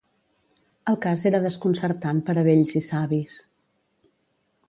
El cas era desconcertant per a vells i savis.